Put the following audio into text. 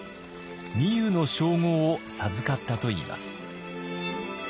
御湯の称号を授かったといいます。